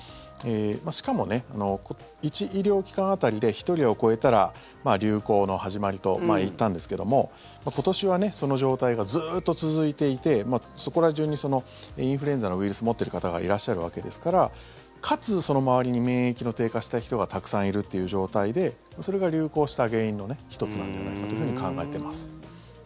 しかも、１医療機関当たりで１人を超えたら流行の始まりと前、言ったんですけども今年はその状態がずっと続いていてそこら中にインフルエンザのウイルスを持ってる方がいらっしゃるわけですからかつ、その周りに免疫の低下した人がたくさんいるっていう状態でそれが流行した原因の１つなんじゃないかというふうに考えています。